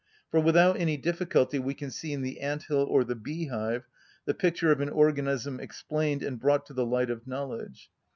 For without any difficulty we can see in the ant‐hill or the beehive the picture of an organism explained and brought to the light of knowledge.